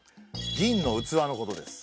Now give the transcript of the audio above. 銀の器のことです。